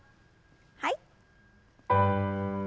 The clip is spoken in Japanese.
はい。